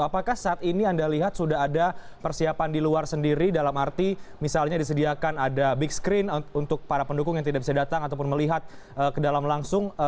apakah saat ini anda lihat sudah ada persiapan di luar sendiri dalam arti misalnya disediakan ada big screen untuk para pendukung yang tidak bisa datang ataupun melihat ke dalam langsung